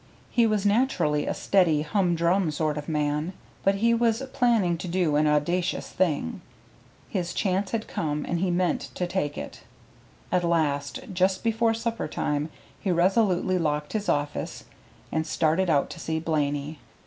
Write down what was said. He was naturally a steady, humdrum sort of man, but he was planning to do an audacious thing. His chance had come, and he meant to take it. At last, just before supper time, he resolutely locked his office, and started out to see Blaney.